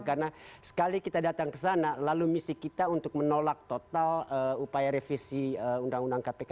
karena sekali kita datang ke sana lalu misi kita untuk menolak total upaya revisi undang undang kpk